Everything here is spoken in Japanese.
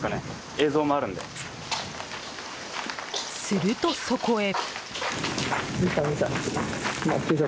すると、そこへ。